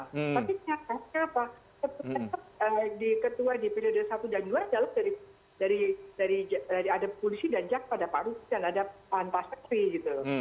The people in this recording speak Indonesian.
tapi kenyataannya pak ketua di periode satu dan dua jauh dari adab polisi dan jak pada pak rusi dan adab antar seksi gitu